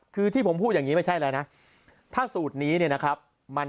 คือที่ผมพูดอย่างนี้ไม่ใช่แล้วนะถ้าสูตรนี้เนี่ยนะครับ